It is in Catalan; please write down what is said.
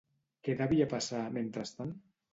Què devia passar mentrestant?